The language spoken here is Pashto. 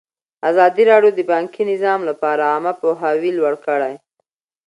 ازادي راډیو د بانکي نظام لپاره عامه پوهاوي لوړ کړی.